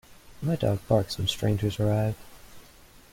My dog barks when strangers arrive.